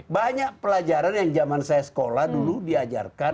banyak pelajaran yang zaman saya sekolah dulu diajarkan